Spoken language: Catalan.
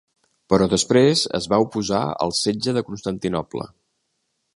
Però després es va oposar al setge de Constantinoble.